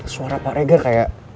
suara pak regan kayak